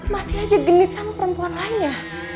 masih aja genit sang perempuan lainnya